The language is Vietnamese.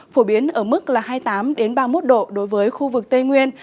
phổ biến ở mức là hai mươi tám ba mươi một độ đối với khu vực tây nguyên